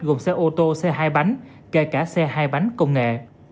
gồm xe ô tô xe hai bánh kể cả xe hai bánh công nghệ